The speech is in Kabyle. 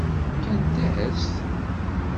Fkant-as-t?